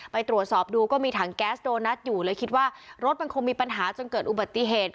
ไปตรวจสอบดูก็มีถังแก๊สโดนัทอยู่เลยคิดว่ารถมันคงมีปัญหาจนเกิดอุบัติเหตุ